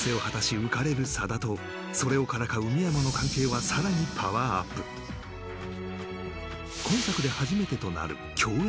浮かれる佐田とそれをからかう深山の関係はさらにパワーアップ今作で初めてとなる共演